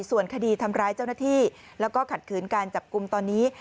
ส่วนคดีทำร้ายเจ้าหน้าที่แล้วก็ขัดขืนการจับกลุ่มตอนนี้